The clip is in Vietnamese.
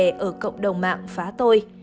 tôi không sợ cộng đồng mạng phá tôi